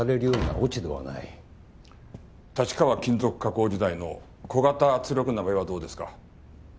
立川金属加工時代の小型圧力鍋はどうですか？